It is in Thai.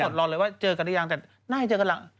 ตลอดเลยว่าเจอกันหรือยังแต่น่าจะเจอกันหลัง